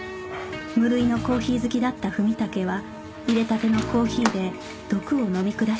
無類のコーヒー好きだった文武は淹れたてのコーヒーで毒を飲み下したらしい